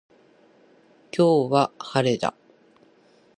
今日は晴れだ。